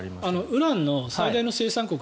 ウランの最大の生産国